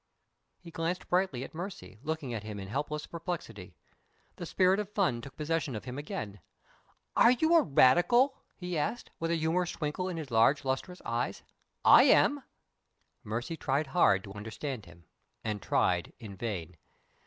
He glanced brightly at Mercy, looking at him in helpless perplexity. The spirit of fun took possession of him again. "Are you a Radical?" he asked, with a humorous twinkle in his large lustrous eyes. "I am!" Mercy tried hard to understand him, and tried in vain.